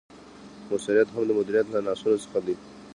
مؤثریت هم د مدیریت له عناصرو څخه دی.